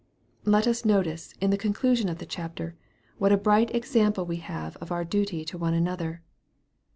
Let us notice, in the conclusion of the chapter, what a bright example we have of our duty to one another.